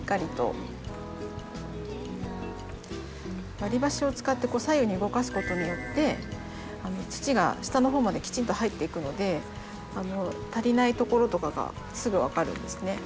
割り箸を使って左右に動かすことによって土が下の方まできちんと入っていくので足りないところとかがすぐ分かるんですね。